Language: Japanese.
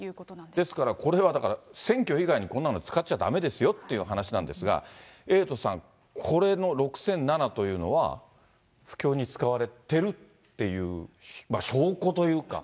ですから、これはだから、選挙以外にこんなに使っちゃだめですよっていう話なんですが、エイトさん、これの６００７というのは、布教に使われてるっていう証拠というか。